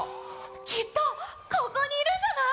きっとここにいるんじゃない？